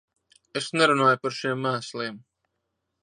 Es nerunāju par šiem mēsliem.